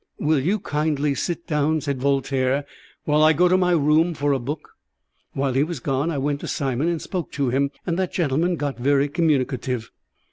"Will you kindly sit down," said Voltaire, "while I go to my room for a book?" While he was gone I went to Simon, and spoke to him, and that gentleman got very communicative.